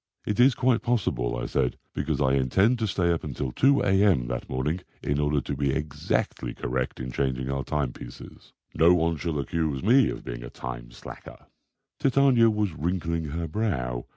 "It is quite possible," I said, "because I intend to stay up until 2 a.m. that morning in order to be exactly correct in changing our timepieces. No one shall accuse me of being a time slacker." Titania was wrinkling her brow.